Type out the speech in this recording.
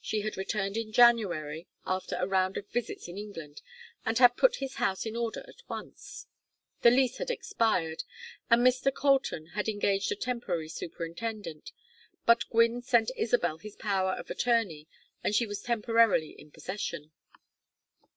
She had returned in January, after a round of visits in England, and had put his house in order at once. The lease had expired, and Mr. Colton had engaged a temporary superintendent, but Gwynne sent Isabel his power of attorney and she was temporarily in possession.